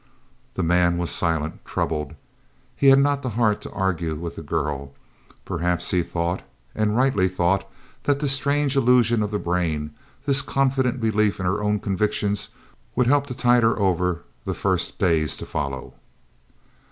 The man was silent, troubled. He had not the heart to argue with the girl, perhaps he thought, and rightly thought, that this strange illusion of the brain, this confident belief in her own convictions, would help to tide her over the first days to follow.